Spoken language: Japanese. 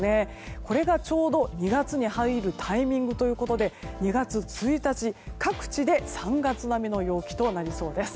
これが、ちょうど２月に入るタイミングということで２月１日、各地で３月並みの陽気となりそうです。